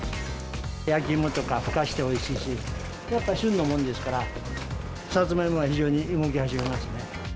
焼き芋とかふかしておいしいし、やっぱ旬のものですから、サツマイモは非常に動き始めますね。